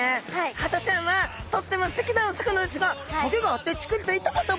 ハタちゃんはとってもすてきなお魚ですが棘があってチクリと痛かった。